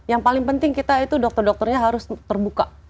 yang paling penting kita itu dokter dokternya harus terbuka